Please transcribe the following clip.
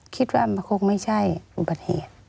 คิดว่ามันคงไม่ใช่อุบัติเหตุ